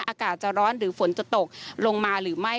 อากาศจะร้อนหรือฝนจะตกลงมาหรือไม่